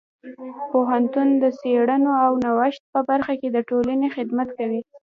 پوهنتون د څیړنې او نوښت په برخه کې د ټولنې خدمت کوي.